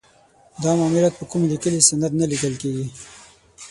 دا معاملات په کوم لیکلي سند نه لیکل کیږي.